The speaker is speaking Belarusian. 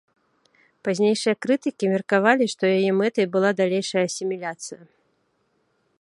Пазнейшыя крытыкі меркавалі, што яе мэтай была далейшая асіміляцыя.